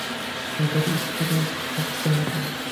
ওদের স্থির থাকতে হবে।